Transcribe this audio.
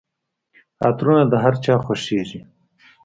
عطرونه د هرچا خوښیږي.